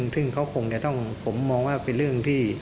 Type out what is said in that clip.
ซึ่งเขาคงจะต้องผมมองว่าเป็นเรื่องที่